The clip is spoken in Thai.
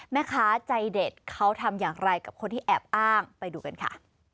แม่ค้าใจเด็ดเขาทำอย่างไรกับคนที่แอบอ้างไปดูกันค่ะ